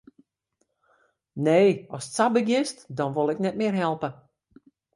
Nee, ast sa begjinst, dan wol ik net mear helpe.